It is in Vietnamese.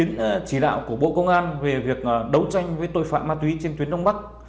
chỉ đạo của bộ công an về việc đấu tranh với tội phạm ma túy trên tuyến đông bắc